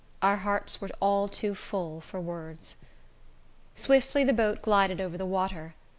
Our hearts were all too full for words! Swiftly the boat glided over the water.